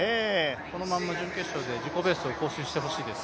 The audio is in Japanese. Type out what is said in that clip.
このまま準決勝で自己ベストを更新してほしいです。